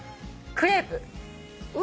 クレープ。